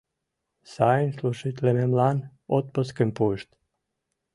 Сайын служитлымемлан отпускым пуышт.